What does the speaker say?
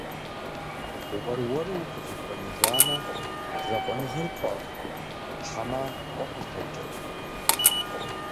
Уэр-уэру укъызыхуэнэжамэ, закъуэныгъэр пфӏэфӏ хьэмэ къохьэлъэкӏрэ?